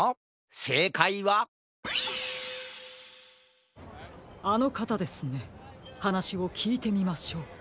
せいかいはあのかたですねはなしをきいてみましょう。